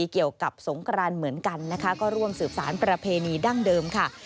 เกี่ยวกับสงกรานเหมือนกันนะคะก็ร่วมสืบสารประเพณีดั้งเดิมค่ะ